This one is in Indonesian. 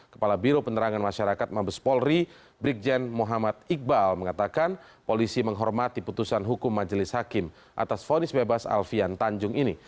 kepala biro penerangan masyarakat mabes polri brigjen muhammad iqbal mengatakan polisi menghormati putusan hukum majelis hakim atas fonis bebas alfian tanjung ini